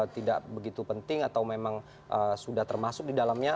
tidak begitu penting atau memang sudah termasuk di dalamnya